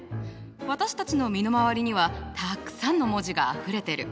私たちの身の回りにはたくさんの文字があふれてる！